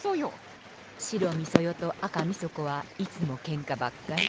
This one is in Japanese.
白みそ代と赤みそ子はいつもけんかばっかり。